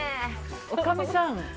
女将さん。